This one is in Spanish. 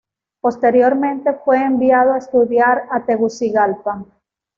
Posteriormente fue enviado a estudiar a Tegucigalpa.